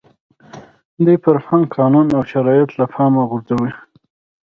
دوی فرهنګ، قانون او شرایط له پامه غورځوي.